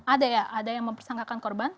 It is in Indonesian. ada ya ada yang mempersangkakan korban